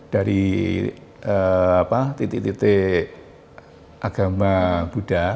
dari titik titik agama buddha